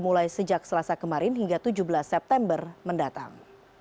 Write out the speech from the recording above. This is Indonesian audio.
mulai sejak selasa kemarin hingga tujuh belas september mendatang